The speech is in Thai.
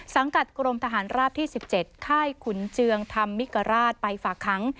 สังกัดกรมทหารราบที่๑๗ค่ายขุนเจืองธรรมมิกราชไปฝากค้าง